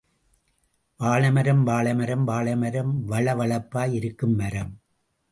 வாழைமரம் வாழைமரம், வாழைமரம் வழ வழப்பாய் இருக்கும் மரம்.